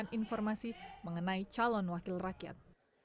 mendapatkan informasi mengenai calon wakil rakyat